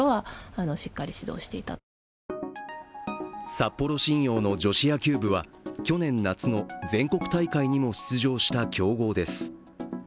札幌新陽の女子野球部は去年夏の全国大会にも出場した強豪です。